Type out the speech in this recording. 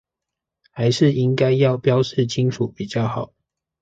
還是應該要標示清楚比較好